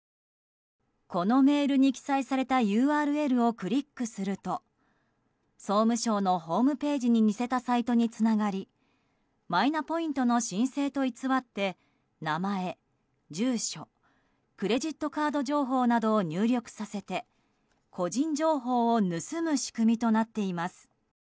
このメールに記載されたＵＲＬをクリックすると総務省のホームページに似せたサイトにつながりマイナポイントの申請と偽って名前、住所クレジットカード情報などを入力させて、個人情報を盗む仕組みとなっています。